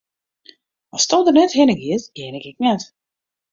Asto der net hinne giest, gean ik ek net.